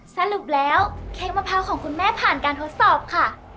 สรุปแล้วเค้กมะพร้าวของคุณแม่ผ่านการทดสอบค่ะ